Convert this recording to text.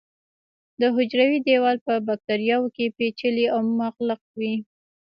د حجروي دیوال په باکتریاوو کې پېچلی او مغلق وي.